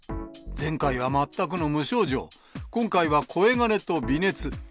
前回は全くの無症状、今回は声がれと微熱。